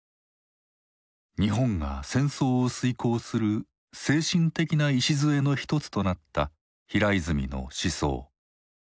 日本が戦争を遂行する精神的な礎の一つとなった平泉の思想。